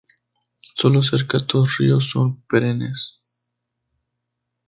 Solo cerca tos ríos son perennes.